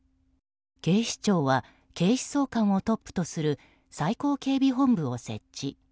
警視庁は警視総監をトップとする最高警備本部を設置。